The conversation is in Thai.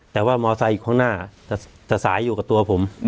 แต่ว่ามอไซค์อยู่ข้างหน้าจะสายอยู่กับตัวผม